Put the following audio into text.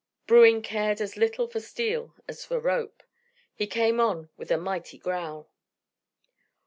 Bruin cared as little for steel as for rope. He came on with a mighty growl.